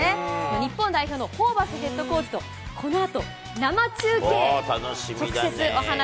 日本代表のホーバスヘッドコーチとこのあと、生中継。